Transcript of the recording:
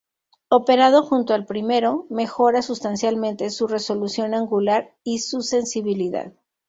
Operado junto al primero, mejora sustancialmente su resolución angular y su sensibilidad.